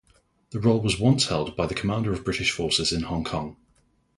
The role was once held by the Commander of British Forces in Hong Kong.